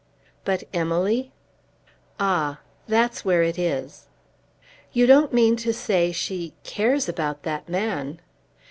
"But Emily?" "Ah . That's where it is." "You don't mean to say she cares about that man!"